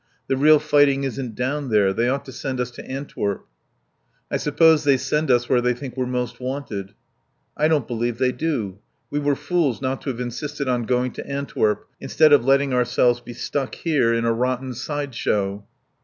The real fighting isn't down there. They ought to send us to Antwerp." "I suppose they send us where they think we're most wanted." "I don't believe they do. We were fools not to have insisted on going to Antwerp, instead of letting ourselves be stuck here in a rotten side show."